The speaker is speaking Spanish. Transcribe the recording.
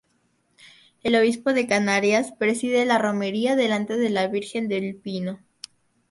El obispo de Canarias, preside la romería delante de la Virgen del Pino.